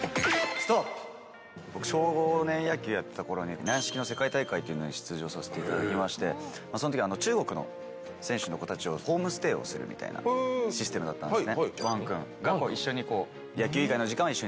僕、少年野球をやっていた頃に軟式の世界大会というものに出場させていただきまして、その時に中国の選手の子たちをホームステイさせるシステムだったんです。